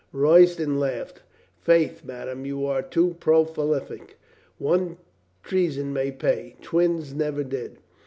Royston laughed. "Faith, madame, you are too prolific. One treason may pay; twins never did."